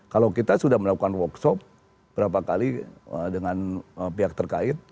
kalau kita sudah melakukan workshop berapa kali dengan pihak terkait